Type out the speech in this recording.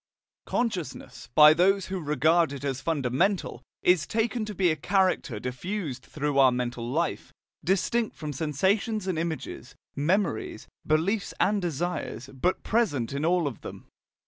"Consciousness," by those who regard it as fundamental, is taken to be a character diffused throughout our mental life, distinct from sensations and images, memories, beliefs and desires, but present in all of them.